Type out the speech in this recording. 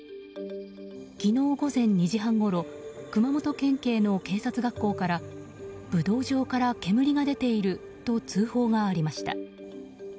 昨日午前２時半ごろ熊本県警の警察学校から武道場から煙が出ていると通報がありました。